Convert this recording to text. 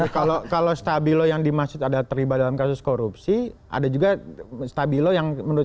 kalau kalau stabilo yang dimaksud ada terlibat dalam kasus korupsi ada juga stabilo yang menurut